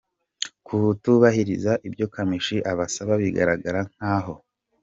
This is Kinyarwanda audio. Kutubahiriza ibyo Kamichi abasaba bigaragara nkaho.